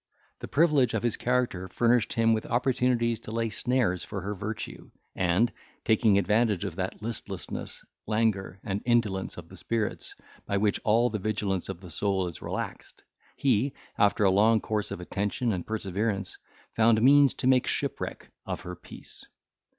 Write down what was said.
The privilege of his character furnished him with opportunities to lay snares for her virtue, and, taking advantage of that listlessness, languor, and indolence of the spirits, by which all the vigilance of the soul is relaxed, he, after a long course of attention and perseverance, found means to make shipwreck of her peace.